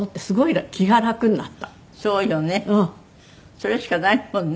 それしかないもんね。